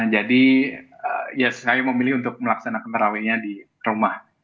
jadi ya saya memilih untuk melaksanakan terawihnya di rumah